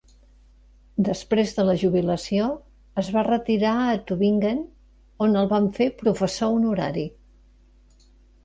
Després de la jubilació, es va retirar a Tübingen, on el van fer professor honorari.